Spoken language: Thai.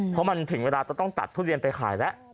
เพราะมันถึงเวลาจะต้องตัดทุเรียนไปขายแล้ว